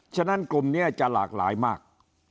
ฉะนั้นกลุ่มนี้จะหลากหลายมาก